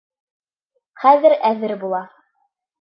Хәҙер әҙер була.